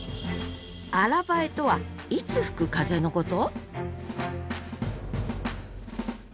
「新南風」とはいつ吹く風のこと？